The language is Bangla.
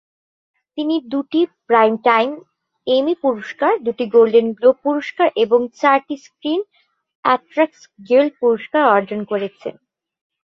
তিনি দুটি প্রাইমটাইম এমি পুরস্কার, দুটি গোল্ডেন গ্লোব পুরস্কার, এবং চারটি স্ক্রিন অ্যাক্টরস গিল্ড পুরস্কার অর্জন করেছেন।